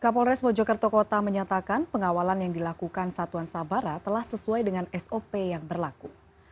kapolres mojokerto kota menyatakan pengawalan yang dilakukan satuan sabara telah sesuai dengan sop yang berlaku